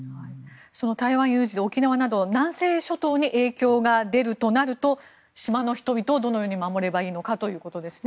その台湾有事で沖縄など南西諸島に影響が出るとなると島の人々をどのように守ればいいのかということですね。